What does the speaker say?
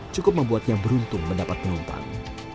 cukup membuatnya beruntung mendapat penumpang